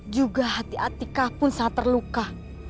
juga hati atika pun saat terluka